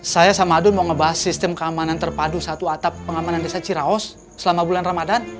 saya sama adun mau ngebahas sistem keamanan terpadu satu atap pengamanan desa ciraos selama bulan ramadan